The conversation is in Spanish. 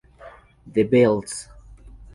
The Bells!!